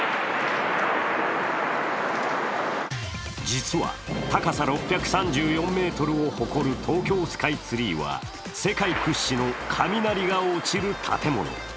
実は高さ６３４ｍを誇る東京スカイツリーは、世界屈指の雷が落ちる建物。